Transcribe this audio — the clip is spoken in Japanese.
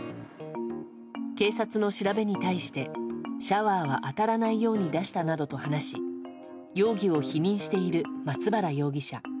警察の調べに対してシャワーは当たらないように出したなどと話し容疑を否認している松原容疑者。